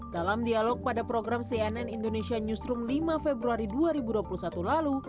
dalam dialog pada program cnn indonesia newsroom lima februari dua ribu dua puluh satu lalu